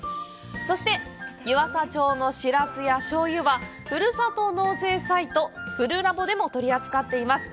そして、湯浅町のしらすや醤油はふるさと納税サイト「ふるラボ」でも取り扱っています。